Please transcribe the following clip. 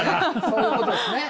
そういうことですね！